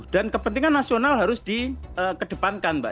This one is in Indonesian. dan kepentingan nasional harus dikedepankan mbak